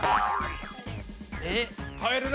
えっ。